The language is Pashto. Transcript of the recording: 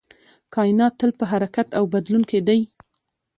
کائنات تل په حرکت او بدلون کې دی